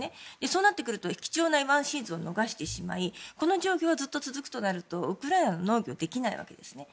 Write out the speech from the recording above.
そうなってくると貴重な今のシーズンを逃してしまいこの状況がずっと続くとなるとウクライナは農業ができないわけですね。